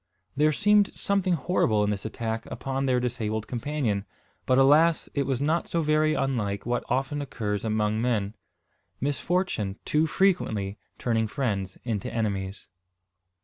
There seemed something horrible in this attack upon their disabled companion. But alas! it was not so very unlike what, often occurs among men, misfortune too frequently turning friends into enemies.